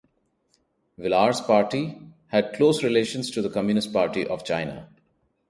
Vilar's party had close relations to the Communist Party of China.